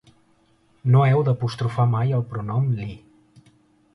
No heu d'apostrofar mai el pronom li.